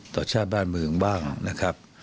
ชาติบ้านเมืองบ้างนะครับ